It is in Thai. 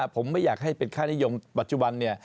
ผมไม่อยากให้เป็นค่านิยมปัจจุบัน